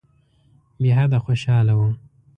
بېحده خوشاله وو.